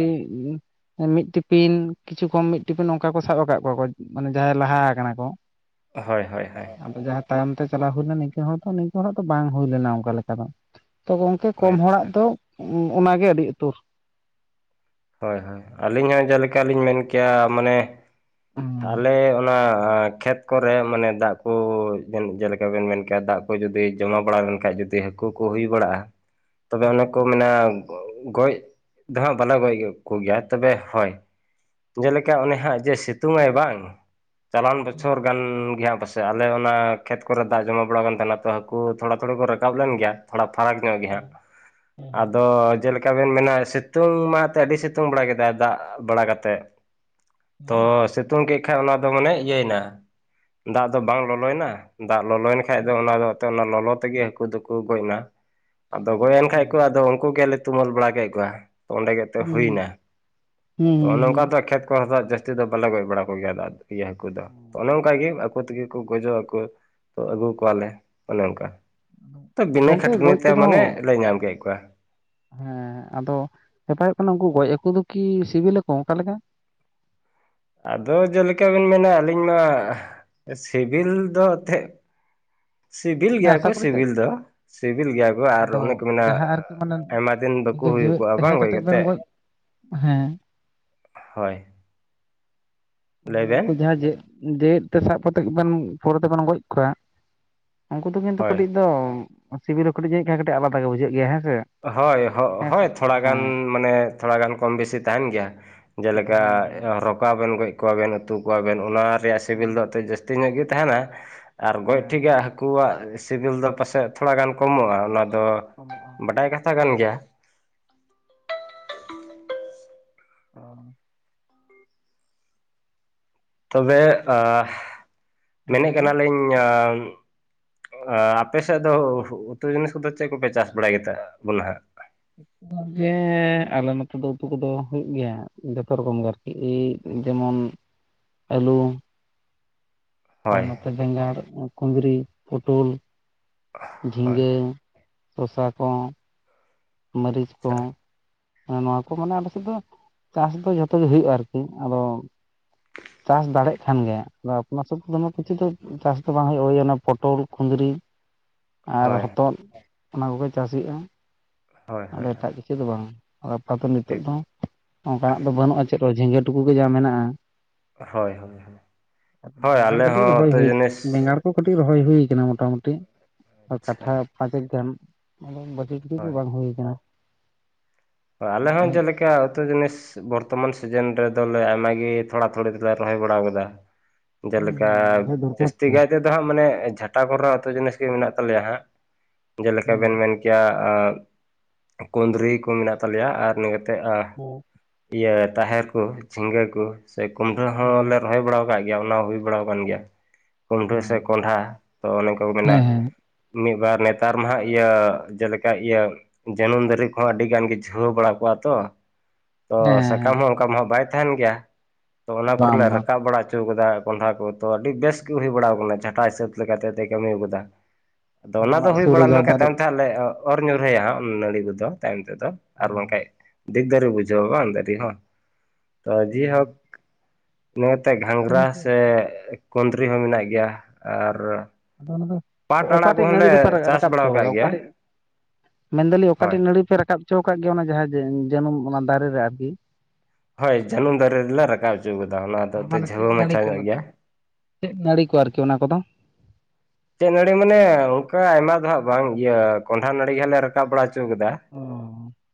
ᱩᱸ ᱢᱤᱫ ᱴᱤᱯᱤᱱ ᱠᱤᱪᱷᱩ ᱠᱚᱢ ᱢᱤᱫ ᱴᱤᱯᱤᱱ ᱚᱱᱠᱟ ᱠᱚ ᱥᱟᱵ ᱟᱠᱟᱫ ᱠᱚᱣᱟ ᱠᱚ ᱢᱟᱱᱮ ᱡᱟᱦᱟᱸᱭ ᱞᱟᱦᱟ ᱠᱟᱱᱟ ᱠᱚ ᱦᱳᱭ ᱦᱳᱭ ᱦᱳᱭ ᱟᱫᱚ ᱡᱟᱦᱟᱸ ᱛᱟᱭᱚᱢ ᱛᱮ ᱪᱟᱞᱟᱣ ᱦᱩᱭ ᱞᱮᱱ ᱛᱮ ᱦᱚᱛᱚ ᱱᱤᱝᱠᱟᱹ ᱦᱚᱛᱚ ᱵᱟᱝ ᱦᱩᱭ ᱞᱮᱱᱟ ᱚᱱᱠᱟ ᱞᱮᱠᱟ ᱫᱚ ᱛᱚᱜᱚ ᱚᱱᱛᱮ ᱠᱚᱢ ᱦᱚᱲᱟᱜ ᱟᱪᱪᱷᱟ ᱫᱚ ᱚᱸ ᱚᱱᱟᱜᱮ ᱟᱹᱰᱤ ᱤᱛᱩᱹᱨ ᱦᱳᱭ ᱦᱳᱭ ᱟᱹᱞᱤᱧ ᱦᱚᱸ ᱡᱮᱞᱮᱠᱟᱞᱤᱧ ᱢᱮᱱ ᱠᱮᱭᱟ ᱢᱟᱱᱮ ᱟᱞᱮ ᱚᱱᱟ ᱠᱷᱮᱛ ᱠᱚᱨᱮ ᱢᱟᱱᱮ ᱫᱟᱜ ᱠᱩ ᱡᱟᱹᱱ ᱡᱮᱞᱮᱠᱟ ᱵᱮᱱ ᱢᱮᱱ ᱠᱮᱭᱟ ᱫᱟᱜ ᱠᱚ ᱡᱩᱫᱤ ᱡᱚᱢᱟ ᱵᱟᱲᱟ ᱞᱮᱱᱠᱟᱱᱡ ᱡᱩᱫᱤ ᱠᱩ ᱠᱚ ᱦᱩᱭ ᱵᱟᱲᱟᱜ-ᱟ ᱛᱚᱵᱮ ᱚᱱᱮ ᱠᱚ ᱢᱮᱱᱟ ᱜᱚ ᱜᱚᱡ ᱫᱚ ᱦᱟᱸᱜ ᱵᱟᱞᱮ ᱜᱚᱡ ᱠᱚ ᱜᱮᱭᱟ ᱛᱚᱵᱮ ᱦᱚᱭ ᱡᱮᱞᱮᱠᱟ ᱚᱱᱮ ᱦᱟᱸᱜ ᱡᱮ ᱥᱤᱛᱩᱝᱟᱭ ᱵᱟᱝ ᱪᱟᱞᱟᱣᱮᱱ ᱵᱚᱪᱷᱚᱨ ᱜᱟᱱ ᱜᱮ ᱦᱟᱸᱜ ᱵᱟᱥᱮ ᱛᱮ ᱟᱞᱮ ᱚᱱᱟ ᱠᱷᱮᱛ ᱠᱚᱨᱮ ᱫᱟᱜ ᱡᱚᱢᱟ ᱵᱟᱲᱟᱣ ᱠᱟᱱ ᱛᱟᱦᱮᱱᱟ ᱛᱚ ᱦᱟᱹᱠᱩ ᱛᱷᱚᱲᱟ ᱛᱷᱚᱲᱤ ᱠᱚ ᱨᱟᱠᱟᱵ ᱞᱮᱱ ᱜᱮᱭᱟ᱾ ᱛᱷᱚᱲᱟ ᱯᱷᱟᱨᱟᱠ ᱧᱚᱜ ᱜᱮ ᱦᱟᱸᱜ ᱟᱫᱚ ᱡᱮᱞᱮᱠᱟ ᱵᱮᱱ ᱢᱮᱱᱟ ᱥᱤᱛᱩᱝ ᱢᱟ ᱛᱮ ᱟᱹᱰᱤ ᱥᱤᱛᱩᱝ ᱵᱟᱲᱟ ᱠᱮᱫᱟᱭ ᱫᱟᱜ ᱵᱟᱲᱟ ᱠᱟᱛᱮᱜ ᱛᱚ ᱥᱮ ᱛᱳᱝ ᱠᱮᱜ ᱠᱷᱟᱱ ᱚᱱᱟ ᱫᱚ ᱢᱟᱱᱮ ᱤᱭᱟᱹᱭ ᱱᱟ ᱫᱟᱜ ᱫᱚ ᱵᱟᱝ ᱞᱚᱞᱚᱭ ᱱᱟ᱾ ᱫᱟᱜ ᱞᱚᱞᱚᱭᱮᱱ ᱠᱷᱟᱡ ᱫᱚ ᱚᱱᱟ ᱫᱚᱜ ᱛᱮ ᱚᱱᱟ ᱞᱚᱞᱚ ᱛᱮᱜᱮ ᱦᱟᱹᱠᱩ ᱫᱚᱠᱚ ᱜᱚᱡ ᱱᱟ ᱟᱫᱚ ᱜᱚᱡ ᱮᱱ ᱠᱷᱟᱡ ᱠᱚ ᱟᱫᱚ ᱩᱱᱠᱩ ᱜᱮᱞᱮ ᱛᱩᱢᱟᱹᱞ ᱵᱟᱲᱟ ᱠᱮᱜ ᱠᱚᱣᱟ ᱚᱸᱰᱮ ᱛᱚ ᱦᱩᱸ ᱦᱩᱭᱱᱟ ᱦᱩᱸ ᱦᱩᱸ ᱛᱚ ᱦᱩᱸ ᱱᱚᱝᱠᱟ ᱫᱚᱜ ᱠᱷᱮᱛ ᱠᱚ ᱥᱟᱜ ᱡᱟᱹᱥᱛᱤ ᱫᱚ ᱵᱟᱞᱮ ᱜᱚᱡ ᱵᱟᱲᱟ ᱠᱚᱜᱮᱭᱟ ᱟᱫᱚ ᱫᱚ ᱤᱭᱟᱹ ᱦᱟᱹᱠᱩ ᱫᱚ ᱚᱱᱮ ᱚᱝᱠᱟ ᱜᱮ ᱟᱠᱚ ᱛᱮᱜᱮ ᱠᱚ ᱜᱚᱡᱚᱜ ᱟᱠᱚ ᱛᱚ ᱟᱹᱜᱩ ᱠᱚᱣᱟᱞᱮ ᱚᱱᱮ ᱚᱝᱠᱟ ᱛᱚ ᱵᱤᱱᱟᱹ ᱜᱚᱝᱠᱮ ᱠᱷᱮᱫᱽ ᱵᱩᱱᱟᱹ ᱜᱚᱡ ᱛᱮ ᱠᱚᱫᱚ ᱢᱟᱱᱮ ᱞᱮ ᱧᱟᱢ ᱠᱮᱜ ᱠᱚᱣᱟ᱾ ᱦᱮᱸ ᱟᱫᱚ ᱠᱟᱛᱷᱟ ᱦᱚᱭᱚᱜ ᱠᱟᱱᱟ ᱩᱱᱠᱩ ᱜᱚᱡ ᱦᱟᱹᱠᱩ ᱫᱚ ᱠᱤ ᱥᱤᱵᱤᱞᱟ ᱠᱚ ᱚᱸᱠᱟ ᱞᱮᱠᱟ? ᱟᱫᱚ ᱡᱮᱞᱮᱠᱟ ᱵᱤᱱ ᱢᱮᱱᱟ ᱟᱹᱞᱤᱧ ᱢᱟ ᱥᱤᱵᱤᱞ ᱫᱚ ᱛᱷᱮᱜ ᱥᱤᱵᱤᱞ ᱦᱮᱸ ᱜᱮᱭᱟ ᱠᱚ ᱟᱥᱟ ᱠᱚᱨᱤ ᱪᱮᱫ ᱥᱤᱵᱤᱞ ᱫᱚ ᱥᱤᱵᱤᱞ ᱜᱮᱭᱟ ᱠᱚ ᱟᱨ ᱟᱫᱚ ᱚᱱᱮ ᱠᱚ ᱢᱮᱱᱟᱸ ᱚᱸᱻᱼᱼ ᱡᱟᱦᱟᱸ ᱟᱨᱠᱤ ᱢᱟᱱᱮ ᱟᱭᱢᱟ ᱫᱤᱱ ᱵᱟᱹᱠᱩ ᱱᱤᱝᱠᱟᱹ ᱦᱩᱭ ᱡᱮᱣᱮᱫ ᱠᱚᱜ-ᱟ ᱛᱟᱦᱮᱸ ᱵᱟᱝ ᱜᱚᱡ ᱠᱟᱛᱮᱫ ᱵᱮᱱ ᱠᱟᱛᱮᱜ ᱦᱮᱸ ᱦᱚᱭ ᱦᱳᱭ ᱚᱱᱮ ᱚᱱᱛᱮ ᱡᱟᱦᱟᱸ ᱡᱤᱣᱮᱫ ᱡᱮᱣᱮᱫ ᱛᱮ ᱥᱟᱵ ᱠᱟᱛᱮᱜ ᱵᱮᱱ ᱯᱚᱨᱮ ᱛᱮᱵᱮᱱ ᱜᱚᱡ ᱠᱚᱣᱟ ᱩᱱᱠᱩ ᱫᱚ ᱠᱤᱱᱛᱩᱠ ᱦᱳᱭ ᱠᱟᱹᱴᱤᱡ ᱫᱚᱢ, ᱥᱤᱵᱤᱞ ᱦᱚᱸ ᱠᱟᱹᱴᱤᱡ ᱡᱟᱹᱱᱤᱡ ᱠᱷᱟᱱ ᱠᱟᱹᱴᱤᱡ ᱟᱞᱟᱫᱟ ᱜᱮ ᱵᱩᱡᱷᱟᱹᱜ ᱜᱮᱭᱟ ᱦᱮᱸ ᱥᱮ᱾ ᱦᱚᱭ ᱦᱚᱜ ᱦᱮᱸ ᱥᱮ ᱦᱚᱭ ᱛᱷᱚᱲᱟ ᱜᱟᱱ ᱦᱮᱸ ᱢᱟᱱᱮ ᱛᱷᱚᱲᱟ ᱜᱟᱱ ᱠᱚᱢ ᱵᱮᱥᱤ ᱛᱟᱦᱮᱱ ᱜᱮᱭᱟ ᱾ ᱡᱮᱞᱮᱠᱟ ᱛᱟᱦᱮᱱ ᱜᱮᱭᱟ ᱮ ᱨᱚᱠᱟ ᱵᱮᱱ ᱜᱚᱡ ᱠᱚᱣᱟ ᱵᱮᱱ, ᱩᱛᱩ ᱠᱚᱣᱟ ᱵᱮᱱ ᱚᱱᱟ ᱨᱮᱭᱟᱜ ᱦᱮᱸ ᱥᱤᱵᱤᱞ ᱫᱚ ᱮᱸᱛᱮᱜ ᱡᱟᱹᱥᱛᱤ ᱧᱚᱜ ᱜᱮ ᱛᱟᱦᱮᱱᱟ, ᱟᱨ ᱜᱚᱡ ᱦᱮᱸ ᱴᱷᱤᱠᱟᱜ ᱦᱟᱹᱠᱩ ᱣᱟᱜ ᱤᱥ ᱥᱤᱵᱤᱞ ᱫᱚ ᱯᱟᱥᱮᱜ ᱛᱷᱚᱲᱟ ᱜᱟᱱ ᱠᱚᱢᱚᱜ-ᱟ ᱾ ᱚᱱᱟ ᱫᱚ ᱠᱚᱢᱚᱜ-ᱟ ᱾ ᱵᱟᱰᱟᱭ ᱠᱟᱛᱷᱟ ᱠᱟᱱ ᱜᱮᱭᱟ ᱾ ᱚᱸᱻ ᱾ ᱛᱚᱵᱮ ᱟᱻ, ᱦᱮᱸ ᱢᱮᱱᱮᱜ ᱞᱟᱹᱭ ᱵᱮᱱ ᱠᱟᱱᱟ ᱞᱤᱧ ᱟᱸᱻᱼᱼ ᱟᱻ ᱟᱯᱮ ᱥᱮᱜ ᱫᱚ ᱩᱛᱩ ᱡᱤᱱᱤᱥ ᱠᱚᱫᱚ ᱪᱮᱜ ᱠᱚᱯᱮ ᱪᱟᱥ ᱵᱟᱲᱟᱭ ᱜᱮᱛᱟ ᱵᱚᱱᱟ ᱦᱟᱸᱜ? [unintelligible] ᱜᱮᱸᱻ ᱟᱞᱮ ᱱᱚᱛᱮ ᱫᱚ ᱩᱛᱩ ᱠᱚᱫᱚ ᱦᱩᱭᱩᱜ ᱜᱮᱭᱟ ᱦᱟᱸᱜ ᱡᱚᱛᱚ ᱨᱚᱠᱚᱢ ᱜᱮ ᱟᱨ ᱤ ᱤ ᱡᱮᱢᱚᱱ ᱟᱹᱞᱩ ᱟᱨ ᱦᱳᱭ ᱱᱚᱛᱮ ᱵᱮᱸᱜᱟᱲ ᱩᱸ, ᱠᱩᱸᱫᱽᱨᱤ, ᱯᱳᱴᱳᱞ ᱦᱳᱭ ᱡᱷᱤᱸᱜᱟᱹ ᱥᱚᱥᱟ ᱠᱚ, ᱢᱟᱹᱨᱤᱪ ᱠᱚ᱾ ᱟᱪᱪᱷᱟ ᱮᱸ ᱱᱚᱣᱟ ᱠᱚ ᱢᱟᱱᱮ ᱟᱞᱮ ᱥᱮᱫ ᱫᱚ ᱪᱟᱥ ᱫᱚ ᱡᱷᱚᱛᱚ ᱜᱮ ᱦᱩᱭᱩᱜ-ᱟ ᱟᱨ ᱠᱤ, ᱟᱫᱚ ᱪᱟᱥ ᱫᱟᱲᱮᱜ ᱠᱷᱟᱱ ᱜᱮ ᱟᱫᱚ ᱟᱯᱱᱟᱨ ᱥᱳᱹᱵᱽ ᱛᱮ ᱫᱚᱢᱮ ᱠᱤᱪᱷᱩ ᱫᱚ ᱪᱟᱥ ᱫᱚ ᱵᱟᱝ ᱦᱩᱭᱩᱜ-ᱟ ᱳᱭ ᱚᱱᱟ ᱯᱳᱴᱳᱞ, ᱠᱩᱸᱫᱽᱨᱤ ᱟᱨ ᱦᱳᱭ ᱦᱚᱛᱚᱫ ᱚᱱᱟ ᱠᱚᱜᱮ ᱪᱟᱥ ᱦᱩᱭᱩᱜ-ᱟ, ᱦᱳᱭ ᱟᱫᱚ ᱦᱳᱭ ᱮᱴᱟᱜ ᱠᱤᱪᱷᱩ ᱫᱚ ᱵᱟᱝ ᱾ ᱟᱨ ᱟᱯᱟ ᱛᱚ ᱱᱤᱛᱚᱜ ᱴᱷᱤᱠ ᱫᱚ ᱚᱸᱱᱠᱟ ᱱᱟᱜ ᱫᱚ ᱵᱟᱹᱱᱩᱜ- ᱟ ᱪᱮᱜ ᱦᱚᱸ ᱡᱷᱤᱸᱜᱟᱹ ᱴᱩᱠᱩ ᱜᱮ ᱡᱟ ᱢᱮᱱᱟᱜ-ᱟ ᱾ ᱦᱳᱭ ᱦᱳᱭ ᱟᱨ ᱦᱳᱭ ᱵᱮᱸᱜᱟᱲ ᱟᱞᱮ ᱠᱟᱹᱴᱤᱡ ᱦᱚᱸ ᱨᱚᱦᱚᱭ ᱩᱛᱩ ᱦᱩᱭ, ᱡᱤᱱᱤᱥ ᱵᱮᱸᱜᱟᱲ ᱠᱚ ᱠᱟᱹᱴᱤᱡ ᱨᱚᱦᱚᱭ ᱦᱩᱭ ᱠᱟᱱᱟ ᱢᱚᱴᱟᱼᱢᱩᱴᱤ ᱟᱨ ᱠᱟᱴᱷᱟ ᱟᱪᱪᱷᱟ ᱯᱟᱸᱪ ᱮᱠ ᱜᱟᱱ ᱟᱫᱚ ᱵᱟᱹᱲ ᱫᱤᱠ ᱫᱤ ᱠᱚ ᱵᱟᱝ ᱦᱩᱭ ᱠᱟᱱᱟ ᱾ ᱚ ᱟᱞᱮ ᱦᱚᱸ ᱡᱮᱞᱮᱠᱟ ᱩᱛᱳ ᱡᱤᱱᱤᱥ ᱵᱚᱨᱛᱚᱢᱟᱱ ᱥᱤᱡᱟᱹᱱ ᱨᱮᱫᱚ ᱞᱮ ᱟᱭᱢᱟ ᱜᱮ ᱛᱷᱚᱲᱟ ᱛᱷᱩᱲᱤ ᱫᱚᱞᱮ ᱨᱚᱦᱚᱭ ᱵᱟᱲᱟᱣ ᱠᱟᱫᱟ ᱾ ᱦᱮᱸ ᱡᱮᱞᱮᱠᱟ ᱦᱮᱸ ᱨᱚᱦᱚᱭ ᱫᱚᱨᱠᱟᱨ ᱡᱟᱹᱥᱛᱤ ᱛᱚ ᱠᱟᱭ ᱛᱮ ᱫᱚ ᱦᱟᱸᱜ ᱢᱟᱱᱮ ᱮ ᱡᱷᱟᱴᱟ ᱠᱚᱨᱮ ᱱᱟᱜ ᱩᱛᱩ ᱡᱤᱱᱤᱥ ᱜᱮ ᱢᱮᱱᱟᱜ ᱛᱟᱞᱮᱭᱟ ᱦᱟᱸᱜ, ᱡᱮᱞᱮᱠᱟ ᱵᱮᱱ ᱦᱮᱸ ᱢᱮᱱ ᱠᱮᱭᱟ ᱟᱸᱫᱻ ᱠᱩᱸᱫᱽᱨᱤ ᱠᱚ ᱢᱮᱱᱟᱜ ᱛᱟᱞᱮᱭᱟ ᱟᱨ ᱱᱤᱭᱟᱹ ᱛᱮᱜ ᱟ ᱤᱭᱟᱹ ᱛᱟᱦᱮᱨ ᱠᱩ, ᱡᱷᱤᱸᱜᱟᱹ ᱠᱩ, ᱥᱮ ᱠᱩᱢᱰᱷᱟᱹ ᱦᱚᱸ ᱞᱮ ᱨᱚᱦᱚᱭ ᱵᱟᱲᱟᱣ ᱠᱟᱜ ᱜᱮᱭᱟ ᱚᱱᱟ ᱦᱚᱸ ᱦᱩᱭ ᱵᱟᱲᱟᱣ ᱠᱟᱱ ᱜᱮᱭᱟ ᱠᱩᱢᱰᱷᱟᱹ ᱥᱮ ᱠᱚᱸᱰᱷᱦᱟ ᱛᱚ ᱚᱱᱮ ᱚᱱᱠᱟ ᱠᱚ ᱢᱮᱱᱟ ᱦᱮᱸ -ᱼ ᱦᱮᱸ ᱢᱤᱫᱵᱟᱨ ᱱᱮᱛᱟᱨ ᱢᱟ ᱦᱟᱸᱜ ᱤᱭᱟᱹ ᱡᱮᱞᱮᱠᱟ ᱤᱭᱟᱹ ᱡᱟᱹᱱᱩᱢ ᱫᱟᱨᱮ ᱠᱚ ᱦᱚᱸ ᱟᱹᱰᱤ ᱜᱟᱱ ᱜᱮ ᱡᱷᱟᱹᱣᱟᱹ ᱵᱟᱲᱟ ᱠᱚᱜᱼᱟ ᱛᱚ, ᱛᱚ ᱦᱮᱸ ᱥᱟᱠᱟᱢ ᱦᱮᱸ ᱦᱚᱸ ᱚᱱᱠᱟ ᱢᱟ ᱦᱚᱸ ᱵᱟᱭ ᱛᱟᱦᱮᱸᱱ ᱜᱮᱭᱟ ᱾ ᱛᱚ ᱚᱱᱟ ᱠᱚᱨᱮᱞ ᱵᱟᱝ ᱮ ᱵᱟᱝ ᱨᱟᱠᱟᱵ ᱵᱟᱲᱟ ᱚᱪᱚ ᱦᱚᱴᱩ ᱠᱟᱫᱟ ᱠᱚᱸᱰᱷᱟ ᱠᱚ ᱛᱚ ᱟᱹᱰᱤ ᱵᱮᱥ ᱜᱮ ᱦᱩᱭ ᱵᱟᱲᱟ ᱟᱠᱟᱱᱟ ᱡᱷᱟᱴᱟ ᱦᱤᱥᱟᱹᱵᱽ ᱞᱮᱠᱟ ᱛᱮ ᱛᱮᱭ ᱠᱟᱹᱢᱤ ᱠᱟᱫᱟ ᱾ ᱟᱫᱚ ᱚᱱᱟ ᱫᱚ ᱚᱲᱟᱜ ᱦᱩᱭ ᱥᱩᱨ ᱵᱟᱲᱟ ᱨᱮ ᱡᱟᱦᱟᱸ ᱞᱮᱱᱠᱷᱟᱱ ᱫᱟᱨᱮ ᱛᱟᱭᱚᱢ ᱛᱮ ᱦᱟᱸᱜ ᱞᱮ ᱚᱨ ᱧᱩᱨᱦᱟᱹᱭᱟᱜ ᱱᱟᱹᱲᱤ ᱠᱚᱫᱚ ᱛᱟᱭᱚᱢ ᱛᱮᱫᱚ ᱾ ᱚ ᱟᱨ ᱵᱟᱝᱠᱷᱟᱡ ᱟᱫᱚ ᱫᱤᱠ ᱫᱟᱨᱮ ᱵᱩᱡᱷᱟᱹᱣᱟ ᱵᱟᱝ ᱫᱟᱨᱮ ᱦᱚᱸ, ᱛᱚ ᱡᱤ ᱦᱳᱠ ᱤᱱᱟᱹ ᱠᱟᱛᱮᱜ ᱜᱷᱟᱸᱜᱽᱨᱟ ᱜᱚᱝᱠᱮ ᱥᱮ ᱠᱩᱸᱫᱽᱨᱤ ᱦᱚᱸ ᱢᱮᱱᱟᱜ ᱜᱮᱭᱟ ᱟᱨ ᱟᱫᱚ ᱚᱱᱟ ᱫᱚ ᱯᱟᱴ ᱟᱲᱟᱜ ᱚᱠᱟᱴᱮᱡ ᱱᱟᱹᱲᱤ ᱠᱚᱦᱚᱸᱞᱮ ᱫᱚᱯᱮ ᱪᱟᱥ ᱨᱟᱠᱟᱵ ᱵᱟᱲᱟ ᱦᱚᱪᱚᱣ ᱟᱠᱟᱫ ᱠᱟᱫᱟ ᱜᱮᱭᱟ ᱚᱠᱟᱴᱤᱡ ᱢᱮᱱ ᱫᱟ. ᱞᱤᱧ ᱦᱳᱭ ᱚᱠᱟᱴᱮᱡ ᱱᱟᱹᱲᱤ ᱯᱮ ᱨᱟᱠᱟᱵ ᱦᱚᱪᱚ ᱟᱠᱟᱫ ᱜᱮᱭᱟ ᱚᱱᱟ ᱡᱟᱦᱟᱸ ᱡᱟᱹᱱᱩᱢ ᱚᱱᱟ ᱫᱟᱨᱮ ᱨᱮ ᱟᱨᱠᱤ? ᱦᱳᱭ ᱡᱟᱹᱱᱩᱢ ᱫᱟᱨᱮ ᱨᱮᱞᱮ ᱨᱟᱠᱟᱵ ᱚᱪᱚ ᱟᱠᱟᱫᱟ ᱚᱱᱟ ᱫᱚ ᱦᱮᱸ ᱦᱚᱛᱮᱫ ᱢᱟᱱᱮ ᱡᱷᱟᱹᱣᱟᱹ ᱪᱮᱫ ᱢᱟᱪᱷᱟ ᱱᱟᱹᱲᱤ ᱠᱚ ᱧᱚᱜ ᱚᱱᱟ ᱜᱮᱭᱟ ᱾ ᱪᱮᱫ ᱱᱟᱹᱲᱤ ᱠᱚ ᱟᱨᱠᱤ ᱚᱱᱟ ᱠᱚᱫᱚ‌? ᱪᱮᱫ ᱱᱟᱹᱲᱤ ᱢᱟᱱᱮ ᱚᱱᱠᱟ ᱟᱭᱢᱟ ᱫᱚ ᱦᱟᱸᱜ ᱵᱟᱝ ᱤᱭᱟᱹ ᱠᱚᱸᱰᱷᱟ ᱱᱟᱹᱲᱤ ᱜᱮᱞᱮ ᱨᱟᱠᱟᱵ ᱵᱟᱲᱟ ᱪᱤ ᱠᱟᱫᱟ ᱚ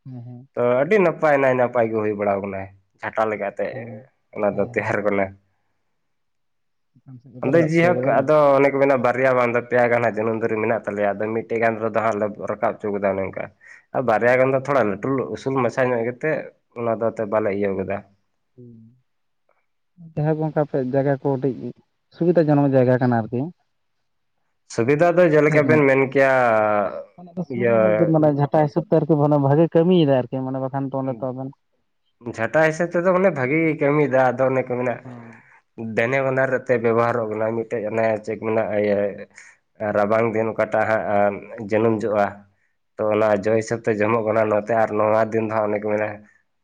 ᱦᱮᱸ ᱦᱮᱸ ᱛᱚ ᱟᱹᱰᱤ ᱱᱟᱯᱟᱭ ᱱᱟᱭ ᱱᱟᱯᱟᱭ ᱜᱮ ᱦᱩᱭ ᱵᱟᱲᱟ ᱠᱟᱱᱟᱭ ᱡᱷᱟᱴᱟ ᱞᱮᱠᱟ -ᱼ ᱛᱮ ᱚ ᱚᱱᱟ ᱫᱚ ᱦᱮᱸ ᱛᱟᱦᱮᱨ ᱜᱚᱞᱟ ᱾ ᱪᱮᱛᱟᱱ ᱥᱮᱫ ᱜᱮᱯᱮ ᱟᱫᱚ ᱨᱟᱠᱟᱵ ᱦᱚᱪᱚ ᱡᱮᱦᱳᱠ ᱠᱟᱫᱟ ᱵᱟᱝ ᱟᱫᱚ ᱚᱱᱮ ᱠᱚ ᱢᱮᱱᱟ ᱵᱟᱨᱭᱟ ᱵᱟᱝ ᱫᱚ ᱯᱮᱭᱟ ᱜᱟᱱ ᱦᱟᱸᱜ ᱡᱟᱹᱱᱩᱢ ᱫᱟᱨᱮ ᱢᱮᱱᱟᱜ ᱛᱟᱞᱮᱭᱟ ᱟᱫᱚ ᱢᱤᱫᱴᱮᱡ ᱜᱟᱱ ᱨᱮᱫᱚ ᱦᱟᱸᱜ ᱞᱮ ᱨᱟᱠᱟᱵ ᱚᱪᱚ ᱠᱟᱫᱟ ᱚᱱᱮ ᱚᱝᱠᱟ ᱾ ᱟᱨ ᱵᱟᱨᱭᱟ ᱜᱟᱱ ᱫᱚ ᱛᱷᱳᱲᱟ ᱞᱟᱹᱴᱩ ᱩᱥᱩᱞ ᱢᱟᱪᱷᱟ ᱧᱚᱜ ᱜᱮᱛᱮ ᱚᱱᱟ ᱫᱚ ᱮᱛᱮᱫ ᱵᱟᱞᱮ ᱤᱭᱟᱹᱣ ᱠᱟᱫᱟ ᱾ ᱦᱩᱸ ᱾ ᱡᱟᱦᱟᱸ ᱠᱚ ᱚᱱᱠᱟ ᱟᱯᱮ ᱡᱟᱭᱜᱟ ᱠᱚ ᱠᱟᱹᱴᱤᱡ ᱥᱩᱵᱤᱫᱟ ᱡᱚᱱᱚᱠ ᱡᱟᱭᱜᱟ ᱠᱟᱱᱟ ᱟᱨᱠᱤ ᱾ ᱥᱩᱵᱤᱫᱷᱟ ᱫᱚ ᱡᱮᱞᱮᱠᱟ ᱵᱮᱱ ᱢᱮᱱ ᱠᱮᱭᱟ ᱤᱭᱟᱹ᱾ ᱟᱭ ᱦᱤᱥᱟᱹᱵᱽ ᱵᱷᱟᱜᱮ ᱠᱟᱹᱢᱤᱭᱮᱫᱟᱭ ᱟᱨᱠᱤ ᱢᱟ ᱵᱟᱠᱷᱟᱱ ᱟᱵᱮᱱ᱾ ᱡᱷᱟᱴᱟ ᱦᱤᱥᱟᱹᱵᱽ ᱛᱮᱫᱚ ᱚᱱᱮ ᱵᱷᱟᱹᱜᱤ ᱠᱟᱹᱢᱤᱭᱮᱫᱟ ᱟᱫᱚ ᱚᱱᱮ ᱠᱚ ᱢᱮ ᱫᱮᱱᱮ ᱵᱟᱱᱟᱨ ᱛᱮ ᱵᱮᱵᱚᱦᱟᱨᱚᱜ ᱠᱟᱱᱟ᱾ ᱢᱤᱫᱴᱮᱡ ᱚᱱᱮ ᱪᱮᱫ ᱠᱚ ᱢᱮᱱᱟ ᱤᱭᱟᱹ᱾ ᱨᱟᱵᱟᱝ ᱫᱤᱱ ᱚᱠᱟᱴᱟᱜ ᱦᱟᱸᱜ ᱡᱟᱹᱱᱩᱢ ᱡᱚᱜᱼᱟ᱾ ᱛᱚ ᱚᱱᱟ ᱡᱚ ᱦᱤᱥᱟᱹᱵᱽ ᱛᱮ ᱡᱚᱢᱚᱜ ᱠᱟᱱᱟ ᱱᱚᱛᱮ ᱟᱨ ᱱᱚᱣᱟ ᱫᱤᱱ ᱫᱚ ᱚᱱᱮ ᱠᱚ ᱢᱮᱱᱟ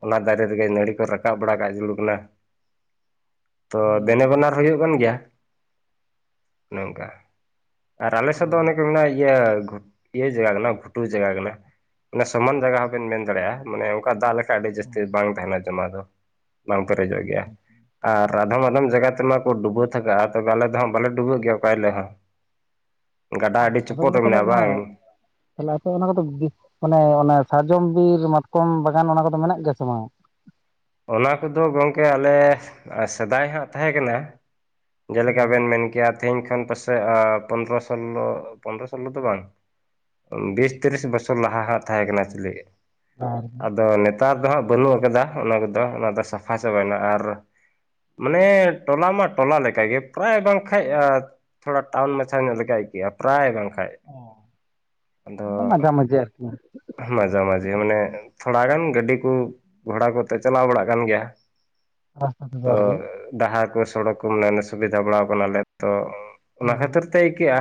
ᱚᱱᱟ ᱫᱟᱨᱮ ᱛᱮᱜᱮ ᱱᱟᱹᱲᱤ ᱠᱚ ᱨᱟᱠᱟᱵ ᱵᱟᱲᱟ ᱠᱟᱜ ᱡᱩᱞᱩᱠ ᱠᱟᱱᱟ᱾ ᱛᱚ ᱫᱮᱱᱮ ᱦᱩᱸ ᱵᱟᱱᱟᱨ ᱦᱩᱭᱩᱜ ᱠᱟᱱ ᱜᱮᱭᱟ, ᱚᱱᱮ ᱱᱚᱝᱠᱟ᱾ ᱟᱨ ᱟᱞᱮ ᱚ, ᱥᱮᱫ ᱫᱚ ᱚᱱᱮ ᱠᱚ ᱢᱮᱱᱟᱜᱼᱟ, ᱤᱭᱟᱹ ᱤᱭᱟᱹ ᱡᱟᱭᱜᱟ ᱠᱟᱱᱟ ᱵᱷᱩᱴᱩ ᱡᱟᱭᱜᱟ ᱠᱟᱱᱟ᱾ ᱥᱚᱢᱟᱱ ᱡᱟᱭᱜᱟ ᱦᱚᱸᱵᱮᱱ ᱢᱮᱱ ᱫᱟᱲᱮᱭᱟᱜᱼᱟ᱾ ᱢᱟᱱᱮ ᱚᱱᱠᱟ ᱫᱟᱜ ᱞᱮᱠᱟᱟᱱ ᱟᱹᱰᱤ ᱚ, ᱡᱟᱹᱥᱛᱤ ᱵᱟᱝ ᱛᱟᱦᱮᱸᱱᱟ ᱡᱚᱢᱟ ᱫᱚ᱾ ᱵᱟᱝ ᱯᱮᱨᱮᱡᱚᱜ ᱜᱮᱭᱟ᱾ ᱟᱪᱪᱷᱟ ᱟᱨ ᱟᱫᱷᱚᱢ ᱟᱫᱷᱚᱢ ᱡᱟᱭᱜᱟ ᱛᱮᱢᱟᱠᱚ ᱰᱩᱵᱟᱹ ᱛᱷᱟᱠᱟᱜᱼᱟ ᱾ ᱛᱚᱵᱮ ᱟᱞᱮ ᱫᱚᱦᱟᱸᱜ ᱵᱟᱞᱮ ᱰᱩᱵᱟᱹᱜ ᱜᱮᱭᱟ ᱚᱠᱟ ᱦᱤᱞᱚᱜ ᱦᱚᱸ᱾ ᱜᱟᱰᱟ ᱟᱪᱪᱷᱟ᱾ ᱟᱹᱰᱤ ᱟᱫᱚ ᱪᱩᱯᱚᱫ ᱜᱚᱝᱠᱮ ᱛᱟᱦᱚᱞᱮ ᱢᱮᱱᱟᱜᱼᱟ, ᱚᱱᱟ ᱵᱟᱝ? ᱛᱟᱦᱚᱞᱮ ᱟᱪᱪᱷᱟ ᱚᱱᱟ ᱠᱚᱫᱚ ᱢᱟᱱᱮ ᱚᱱᱟ ᱥᱟᱨᱡᱚᱢ ᱵᱤᱨ ᱢᱟᱛᱠᱚᱢ ᱵᱟᱜᱟᱱ ᱚᱱᱟ ᱠᱚᱫᱚ ᱢᱮᱱᱟᱜ ᱜᱮᱭᱟ ᱥᱮ ᱵᱟᱝ? ᱚᱱᱟ ᱠᱚᱫᱚ ᱜᱚᱢᱠᱮ, ᱟᱞᱮ ᱥᱮᱫᱟᱭ ᱦᱟᱸᱜ ᱛᱟᱦᱮᱸ ᱠᱟᱱᱟ᱾ ᱡᱮᱞᱮᱠᱟᱵᱮᱱ ᱢᱮᱱ ᱠᱮᱭᱟ ᱛᱮᱦᱮᱧ ᱠᱷᱚᱱ ᱯᱟᱥᱮᱡ ᱯᱚᱱᱨᱚ ᱥᱳᱞᱚ ᱯᱚᱱᱨᱚ ᱥᱳᱞᱞᱳ ᱫᱚ ᱵᱟᱝ? ᱵᱤᱥ ᱛᱤᱨᱤᱥ ᱵᱚᱪᱷᱚᱨ ᱞᱟᱦᱟ ᱦᱟᱸᱜ ᱛᱟᱦᱮᱸ ᱠᱟᱱᱟ ᱮᱠᱪᱩᱞᱤ᱾ ᱟᱨ ᱟᱫᱚ ᱱᱮᱛᱟᱨ ᱫᱚ ᱦᱟᱸᱜ ᱵᱟᱹᱱᱩᱜ ᱟᱠᱟᱫᱟ᱾ ᱚᱱᱟ ᱠᱚᱫᱚ ᱚᱱᱟ ᱠᱚᱫᱚ ᱥᱟᱯᱷᱟ ᱪᱟᱵᱟᱭᱮᱱᱟ ᱟᱨ ᱢᱟᱱᱮ ᱴᱚᱞᱟ ᱢᱟ ᱴᱚᱞᱟ ᱞᱮᱠᱟᱜᱮ ᱯᱨᱟᱭ ᱵᱟᱝ ᱠᱟᱡ᱾ ᱛᱷᱳᱲᱟ ᱴᱟᱣᱩᱱ ᱢᱟᱪᱷᱟ ᱧᱚᱜ ᱞᱮᱠᱟ ᱤᱠᱟᱹᱜᱼᱟ᱾ ᱯᱨᱟᱭ ᱵᱟᱝ ᱠᱷᱟᱡ ᱟᱫᱚ᱾ ᱢᱟᱡᱷᱟ ᱢᱟᱹᱡᱷᱤ ᱟᱨᱠᱤ ᱢᱟᱡᱷᱟ ᱢᱟᱡᱷᱮ ᱢᱟᱱᱮ ᱛᱷᱳᱲᱟ ᱜᱟᱱ ᱜᱟᱹᱰᱤ ᱠᱚ ᱜᱷᱚᱲᱟ ᱠᱚᱛᱮ ᱪᱟᱞᱟᱣ ᱵᱟᱲᱟᱜ ᱠᱟᱱ ᱜᱮᱭᱟ ᱨᱟᱥᱛᱟ ᱛᱮᱫᱚ ᱛᱚ᱾ ᱟᱨᱠᱤ ᱰᱟᱦᱟᱨ ᱠᱚ ᱥᱚᱲᱚᱠ ᱠᱚ ᱢᱟᱱᱮ ᱥᱩᱵᱤᱫᱷᱟ ᱵᱟᱲᱟᱣ ᱟᱠᱟᱱᱟᱞᱮ ᱛᱚ᱾ ᱚᱱᱟ ᱦᱮᱸ ᱠᱷᱟᱹᱛᱤᱨ ᱛᱮ ᱛᱮ ᱟᱹᱭᱠᱟᱹᱜᱼᱟ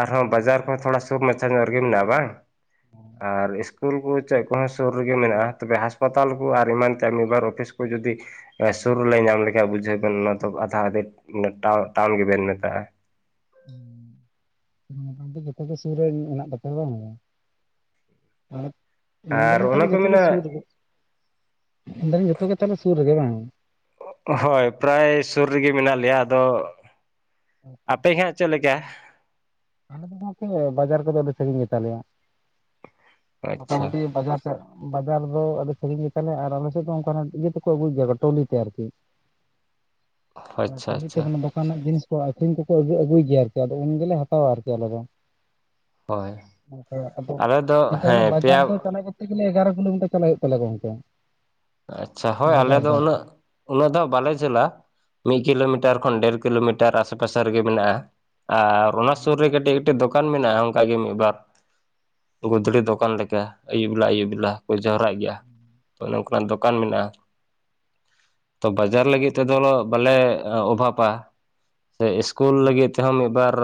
ᱟᱨᱦᱚᱸ ᱵᱟᱡᱟᱨ ᱠᱷᱚᱱ ᱦᱚᱸ ᱛᱷᱳᱲᱟ ᱥᱩᱨ ᱢᱟᱪᱷᱟ ᱧᱚᱜ ᱨᱮᱜᱮ ᱢᱮᱱᱟᱜᱼᱟ, ᱵᱟᱝ? ᱟᱨ ᱤᱥᱠᱩᱞ ᱠᱚ ᱪᱮᱫ ᱠᱚᱦᱚᱸ ᱥᱩᱨ ᱨᱮᱜᱮ ᱢᱮᱱᱟᱜᱼᱟ ᱛᱚᱵᱮ ᱦᱟᱸᱥᱯᱟᱛᱟᱞ ᱠᱚ ᱟᱨ ᱮᱢᱟᱱ ᱪᱮ ᱢᱤᱫ ᱵᱟᱨ ᱚᱯᱷᱤᱥ ᱠᱚ ᱡᱩᱫᱤ ᱥᱩᱨ ᱨᱮᱞᱮ ᱧᱟᱢ ᱞᱮᱠᱷᱟᱡ ᱵᱩᱡᱷᱟᱹᱣ ᱵᱮᱱ᱾ ᱚᱱᱟ ᱛᱚ ᱟᱫᱷᱟ ᱟᱫᱷᱮ ᱴᱟᱣᱩᱱ ᱜᱮᱵᱮᱱ ᱢᱮᱛᱟᱜᱼᱟ᱾ ᱢᱳᱴᱟᱢᱩᱴᱤ ᱡᱚᱛᱚ ᱜᱮ ᱥᱩᱨ ᱨᱮ ᱢᱮᱱᱟᱜ ᱛᱟᱯᱮᱭᱟ ᱵᱟᱝᱼᱟ? ᱟᱨ ᱟᱨ ᱢᱮᱞᱫᱟᱹᱞᱤᱧ ᱚᱱᱟ ᱛᱟᱦᱚᱞᱮ ᱠᱚ ᱡᱚᱛᱚ ᱜᱮ ᱢᱮᱱᱟ ᱥᱩᱨ ᱨᱮᱜᱮ ᱢᱮᱱ ᱫᱟᱹᱧ ᱡᱚᱛᱚ ᱜᱮ ᱛᱟᱦᱚᱞᱮ ᱥᱩᱨ ᱨᱮᱜᱮ ᱵᱟᱝ? ᱦᱳᱭ ᱯᱨᱟᱭ ᱥᱩᱨ ᱨᱮᱜᱮ ᱢᱮᱱᱟᱜ ᱞᱮᱭᱟ ᱟᱫᱚ ᱟᱯᱮ ᱜᱮ ᱦᱚᱸ ᱪᱮᱫ ᱞᱮᱠᱟ᱾ ᱟᱞᱮ ᱫᱚᱱᱟᱜ ᱠᱮ ᱵᱟᱡᱟᱨ ᱠᱚᱫᱚ ᱥᱟᱹᱜᱤᱧ ᱜᱮ ᱛᱟᱞᱮᱭᱟ᱾ ᱟᱪᱪᱷᱟ ᱢᱚᱴᱟᱢᱩᱴᱤ ᱵᱟᱡᱟᱨ ᱵᱟᱡᱟᱨ ᱫᱚ ᱟᱹᱰᱤ ᱥᱟᱜᱤᱧ ᱜᱮ ᱛᱟᱞᱮ ᱟᱨ ᱟᱞᱮᱥᱮᱫ ᱫᱚ ᱚᱱᱠᱟ ᱱᱟᱜ ᱤᱭᱟᱹ ᱛᱮᱠᱚ ᱟᱹᱜᱩᱭᱟ ᱴᱚᱞᱤ ᱛᱮ ᱟᱨᱠᱤ᱾ [unintelligible] ᱟᱪᱪᱷᱟ ᱯᱟᱹᱦᱤᱞ ᱛᱮ ᱟᱪᱪᱷᱟ ᱫᱚᱠᱟᱱ ᱨᱮᱱᱟᱜ ᱡᱤᱱᱤᱥ ᱠᱚ ᱟᱹᱠᱷᱨᱤᱧ ᱠᱚᱠᱚ ᱟᱹ ᱟᱹᱜᱩᱭ ᱜᱮᱭᱟ ᱟᱹᱨᱠᱤ᱾ ᱟᱫᱚ ᱩᱱ ᱜᱮᱞᱮ ᱦᱟᱛᱟᱣᱟ᱾ ᱦᱟᱛᱟᱣᱟ ᱟᱨᱠᱤ ᱟᱞᱮ ᱫᱚ᱾ ᱦᱳᱭ ᱟᱫᱚ ᱟᱞᱮ ᱫᱚ ᱛᱟᱦᱞᱮ ᱦᱮᱸ ᱯᱮᱭᱟ ᱵᱟᱡᱟᱨ ᱫᱚ ᱪᱟᱞᱟᱜ ᱮᱜᱟᱨᱳ ᱠᱤᱞᱳᱢᱤᱴᱟᱨ ᱪᱟᱞᱟᱜ ᱦᱩᱭᱩᱜ ᱛᱟᱞᱮᱭᱟ ᱜᱚᱢᱠᱮ᱾ ᱟᱪᱪᱷᱟ ᱦᱳᱭ ᱟᱞᱮ ᱫᱚ ᱩᱱᱟᱹᱜ ᱩᱱᱟᱹᱜ ᱫᱚ ᱦᱟᱸᱜ᱾ ᱵᱟᱞᱮ ᱡᱷᱮᱞᱟ ᱢᱤᱫ ᱠᱤᱞᱳᱢᱤᱴᱟᱨ ᱠᱷᱚᱱ ᱰᱷᱮᱨ ᱠᱤᱞᱳᱢᱤᱴᱟᱨ ᱟᱥᱮ ᱯᱟᱥᱮ ᱨᱮᱜᱮ ᱢᱮᱱᱟᱜᱼᱟ ᱟᱨ ᱚᱱᱟ ᱥᱩᱨ ᱨᱮ ᱠᱟᱹᱴᱤᱡ ᱠᱟᱹᱴᱤᱡ ᱫᱚᱠᱟᱱ ᱢᱮᱱᱟᱜᱼᱟ᱾ ᱚᱱᱠᱟᱜ ᱜᱮ ᱢᱤᱫ ᱵᱟᱨ᱾ ᱜᱩᱫᱽᱲᱤ ᱫᱚᱠᱟᱱ ᱞᱮᱠᱟ᱾ ᱟᱹᱭᱩᱵ ᱵᱮᱞᱟ ᱟᱹᱭᱩᱵ ᱵᱮᱞᱟ ᱠᱚ ᱡᱟᱣᱨᱟᱜ ᱜᱮᱭᱟ᱾ ᱛᱚ ᱚᱱᱮ ᱫᱚᱠᱟᱱ ᱢᱮᱱᱟᱜᱼᱟ ᱛᱚ᱾ ᱵᱟᱡᱟᱨ ᱞᱟᱹᱜᱤᱫ ᱛᱮᱫᱚ ᱵᱟᱞᱮ ᱚᱵᱷᱟᱵᱟ ᱥᱮ ᱤᱥᱠᱩᱞ ᱞᱟᱹᱜᱤᱫ ᱛᱮᱦᱚᱸ ᱢᱤᱫ ᱵᱟᱨ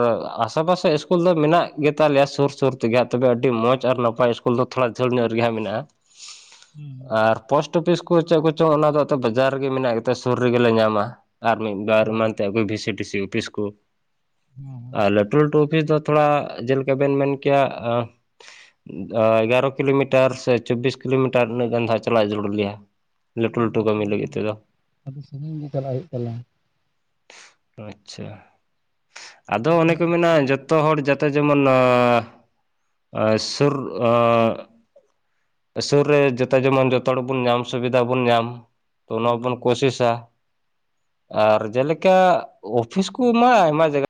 ᱟᱥᱮ ᱯᱟᱥᱮ ᱤᱥᱠᱩᱞ ᱫᱚ ᱢᱮᱱᱟᱜ ᱜᱮ ᱛᱟᱞᱮᱭᱟ᱾ ᱥᱩᱨ ᱥᱩᱨ ᱛᱮᱜᱮ ᱛᱚᱵᱮ ᱟᱹᱰᱤ ᱢᱚᱡᱽ ᱟᱨ ᱱᱟᱯᱟᱭ ᱤᱥᱠᱩᱞ ᱩᱞ ᱫᱚ ᱛᱷᱚᱲᱟ ᱡᱷᱟᱹᱞ ᱧᱚᱜ ᱨᱮᱜᱮ ᱦᱟᱸᱜ ᱢᱮᱱᱟᱜᱼᱟ᱾ ᱦᱩᱸ ᱟᱨ ᱯᱳᱥᱴ ᱚᱯᱷᱤᱥ ᱠᱚ ᱪᱮᱫ ᱠᱚᱪᱚᱝ᱾ ᱚᱱᱟ ᱫᱚ ᱛᱚ ᱵᱟᱡᱟᱨ ᱨᱮᱜᱮ ᱢᱮᱱᱟᱜ ᱜᱮᱛᱚ ᱥᱩᱨ ᱨᱮᱜᱮᱞᱮ ᱧᱟᱢᱟ᱾ ᱟᱨ ᱢᱤᱫ ᱵᱟᱨ ᱮᱢᱟᱱᱛᱮ ᱵᱤ ᱥᱤ ᱰᱤ ᱥᱤ ᱚᱯᱷᱤᱥ ᱠᱚ᱾ ᱦᱩᱸ ᱟᱨ ᱞᱟᱹᱴᱩ ᱞᱟᱹᱴᱩ ᱚᱯᱷᱤᱥ ᱫᱚ ᱛᱷᱚᱲᱟ ᱪᱮᱫ ᱞᱮᱠᱟ ᱵᱮᱱ ᱢᱮᱱ ᱠᱮᱭᱟ ᱮᱜᱟᱨᱚ ᱠᱤᱞᱳᱢᱤᱴᱟᱨ ᱥᱮ ᱪᱚᱵᱽᱵᱤᱥ ᱠᱤᱞᱳᱢᱤᱴᱟᱨ ᱩᱱᱟᱹᱜ ᱜᱟᱱ ᱫᱚ ᱷᱟᱸᱜ ᱪᱟᱞᱟᱜ ᱡᱟᱹᱨᱩᱲ ᱜᱮᱭᱟ ᱞᱟᱹᱴᱩ ᱞᱟᱹᱴᱩ ᱠᱟᱹᱢᱤ ᱞᱟᱹᱜᱤᱫᱽ ᱚ ᱛᱮᱫᱚ ᱟᱹᱰᱤ ᱥᱟᱺᱜᱤᱧ ᱜᱮ ᱪᱟᱞᱟᱜ ᱦᱩᱭᱩᱜ ᱛᱟᱞᱮᱭᱟ ᱟᱪᱪᱷᱟ ᱟᱫᱚ ᱚᱱᱮ ᱚᱱᱠᱟ ᱠᱚ ᱢᱮᱱᱟ ᱡᱚ ᱡᱚᱛᱚ ᱦᱚᱲ ᱡᱟᱛᱮ ᱡᱮᱢᱚᱱ ᱥᱩᱨ ᱟᱸᱻ ᱥᱩᱨ ᱨᱮ ᱡᱚᱛᱚ ᱡᱮᱢᱚᱱ ᱡᱚᱛᱚ ᱦᱚᱲ ᱵᱚᱱ ᱧᱟᱢ ᱥᱩᱵᱤᱫᱷᱟ ᱵᱚᱱ ᱧᱟᱢ ᱛᱚᱚᱱᱟ ᱦᱩᱸ ᱵᱚᱱ ᱠᱚᱥᱤᱥᱟ ᱟᱨ ᱡᱮᱞᱮᱠᱟ ᱚᱯᱷᱤᱥ ᱠᱚᱢᱟ ᱟᱭᱢᱟ ᱡᱟᱭᱜᱟ